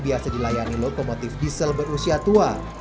biasa dilayani lokomotif diesel berusia tua